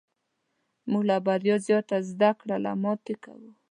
موږ له بریا زیاته زده کړه له ماتې کوو.